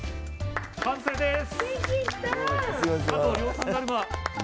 完成です。